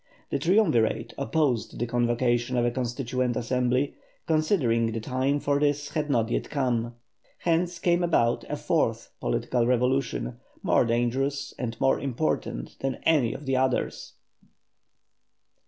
The Triumvirate opposed the convocation of a Constituent Assembly, considering the time for this had not yet come. Hence came about a fourth political evolution, more dangerous and more important than any of the others.